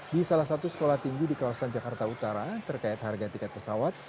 di salah satu sekolah tinggi di kawasan jakarta utara terkait harga tiket pesawat